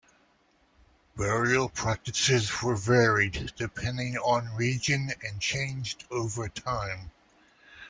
Burial practices were varied, depending on region and changed over time.